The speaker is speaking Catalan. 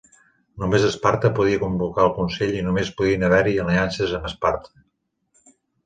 Només Esparta podia convocar el consell i només podien haver-hi aliances amb Esparta.